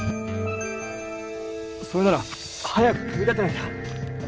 それなら早く組み立てなきゃ。